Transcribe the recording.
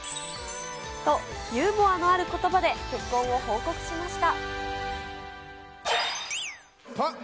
と、ユーモアのあることばで結婚を報告しました。